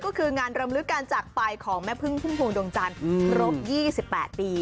ก็คืองานเริ่มรึกกันจากปลายของแม่พึ่งภูมิภวงดวงจันทร์โรค๒๘ปี